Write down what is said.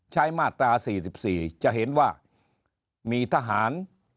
มาตรา๔๔จะเห็นว่ามีทหาร